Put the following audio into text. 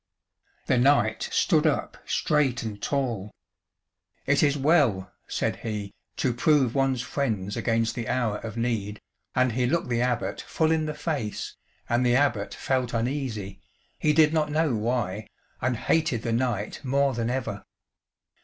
The knight stood up straight and tall: "It is well," said he, "to prove one's friends against the hour of need," and he looked the Abbot full in the face, and the Abbot felt uneasy, he did not know why, and hated the knight more than ever.